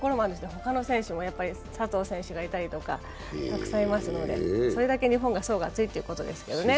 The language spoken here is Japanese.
ほかの選手も佐藤選手がいたりとか、たくさんいますので、それだけ日本が層が厚いということですよね。